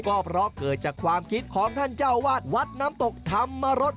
ก็เพราะเกิดจากความคิดของท่านเจ้าวาดวัดน้ำตกธรรมรส